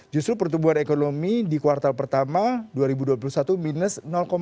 justru pertumbuhan ekonomi di kuartal pertama dua ribu dua puluh satu minus lima